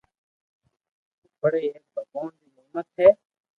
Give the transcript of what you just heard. پڙائي ايڪ ڀگوان ري نعمت ھي